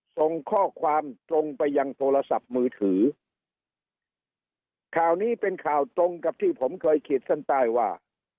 ส่งข้อความตรงไปยังโทรศัพท์มือถือข่าวนี้เป็นข่าวตรงกับที่ผมเคยขีดเส้นใต้ว่า